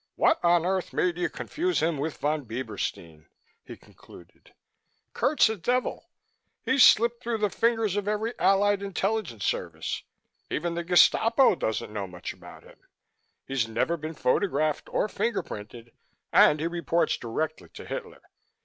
"What on earth made you confuse him with Von Bieberstein?" he concluded. "Kurt's a devil. He's slipped through the fingers of every Allied intelligence service. Even the Gestapo doesn't know much about him. He's never been photographed or fingerprinted and he reports directly to Hitler.